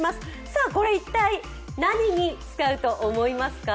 さあ、これ一体何に使うと思いますか？